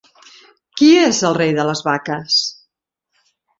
Qui és el Rei de les Vaques?